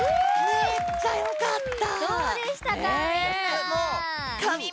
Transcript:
めっちゃよかった。